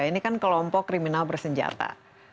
ini kan kelompok kriminal bersenjata